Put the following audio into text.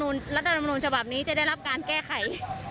นอกซึ่งจากว่ารัฐมนูญฉบับนี้จะได้รับการแก้ไข